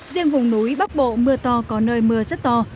riêng vùng núi bắc bộ mưa to có nơi mưa rất to